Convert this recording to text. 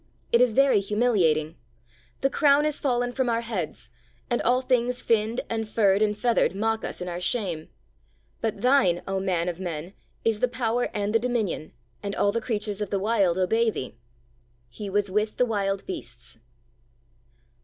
It is very humiliating! The crown is fallen from our heads, and all things finned and furred and feathered mock us in our shame. But Thine, O Man of men, is the power and the dominion, and all the creatures of the Wild obey Thee! 'He was with the wild beasts.'